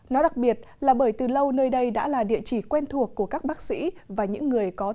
nó đặc biệt là bởi từ lâu nơi đây đã là địa chỉ quen thuộc của các bác sĩ và những người có